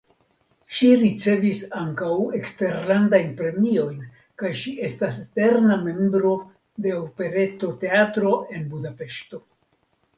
Ŝi ricevis ankaŭ eksterlandajn premiojn kaj ŝi estas "eterna membro de Operetoteatro" en Budapeŝto.